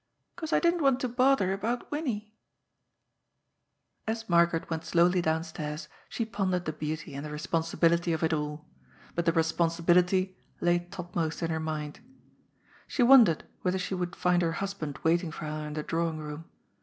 ^ 'Cause I didn't want to bother about Winnie." As Margaret went slowly downstairs, she pondered the beauty and the responsibiliiy of it alL But the responsi bility lay topmost in her mind. She wondered whether she would find her husband wait ing for her in the drawing room.